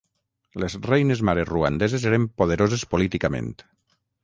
Les reines mare ruandeses eren poderoses políticament.